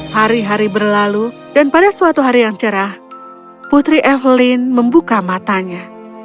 hari hari berlalu dan pada suatu hari yang cerah putri evelyn membuka matanya